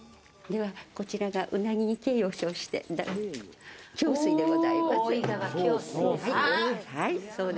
こちらがウナギに敬意を表して、共水でございます。